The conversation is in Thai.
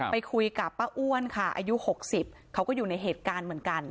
ไปคุยกับป้าอ้วนค่ะอายุ๖๐เขาก็อยู่ในเหตุการณ์เหมือนกัน